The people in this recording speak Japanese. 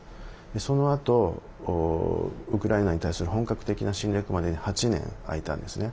そのあと、ウクライナに対する本格的な侵略までに８年空いたんですね。